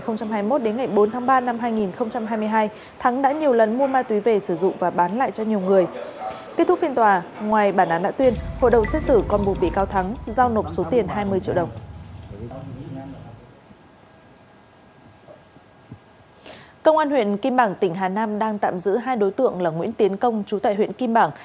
nguyễn kim bảng tỉnh hà nam đang tạm giữ hai đối tượng là nguyễn tiến công chú tại huyện kim bảng